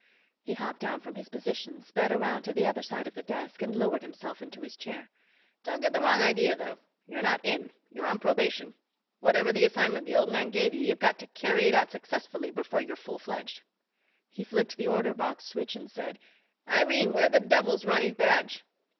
He hopped down from his position, sped around to the other side of the desk and lowered himself into his chair. "Don't get the wrong idea, though. You're not in. You're on probation. Whatever the assignment the Old Man gave you, you've got to carry it out successfully before you're full fledged." He flicked the order box switch and said, "Irene, where the devil's Ronny's badge?"